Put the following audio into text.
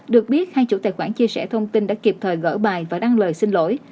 được biết hai chủ tài khoản chia sẻ thông tin đã kịp thời gỡ bài và đăng lời xin lỗi